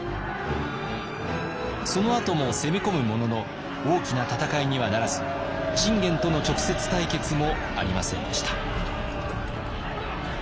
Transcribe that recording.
そのあとも攻め込むものの大きな戦いにはならず信玄との直接対決もありませんでした。